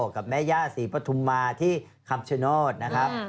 กับแม่ย่าศรีปฐุมมาที่คำชโนธนะครับ